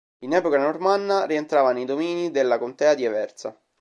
In epoca normanna rientrava nei domini della contea di Aversa.